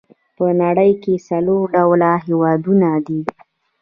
په نړۍ کې څلور ډوله هېوادونه دي.